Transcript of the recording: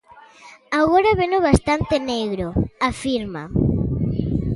"Agora veno bastante negro", afirma.